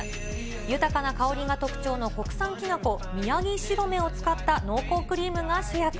豊かな香りが特徴の国産きな粉、ミヤギシロメを使った濃厚クリームが主役。